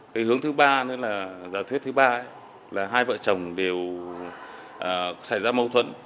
cái hướng thứ ba nữa là giả thuyết thứ ba là hai vợ chồng đều xảy ra mâu thuẫn